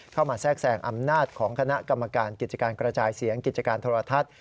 แทรกแสงอำนาจของคณะกรรมการกิจการกระจายเสียงกิจการโทรทัศน์